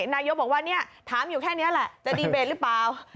นายยกบอกว่าถามอยู่แค่นี้แหละจะดีเบตรึเปล่า